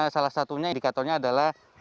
salah satunya indikatornya adalah